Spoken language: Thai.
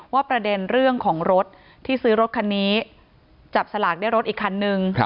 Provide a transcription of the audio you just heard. ประเด็นเรื่องของรถที่ซื้อรถคันนี้จับสลากได้รถอีกคันนึง